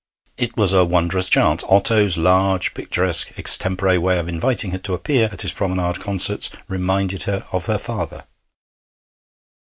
It was a wondrous chance. Otto's large, picturesque, extempore way of inviting her to appear at his promenade concerts reminded her of her father.